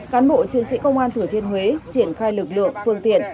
cán bộ chiến sĩ công an thừa thiên huế triển khai lực lượng phương tiện